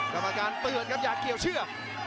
กับการทรวบส่งก็อยากเกี่ยวเชื่อม